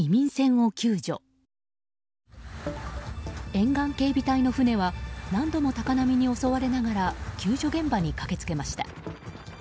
沿岸警備隊の船は何度も高波に襲われながら救助現場に駆けつけました。